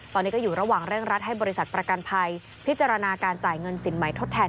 ตอนนี้ก็อยู่ระหว่างเร่งรัดให้บริษัทประกันภัยพิจารณาการจ่ายเงินสินใหม่ทดแทน